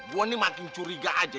gue nih makin curiga aja